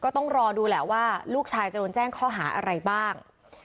ต้องรอดูแหละว่าลูกชายจะโดนแจ้งข้อหาอะไรบ้าง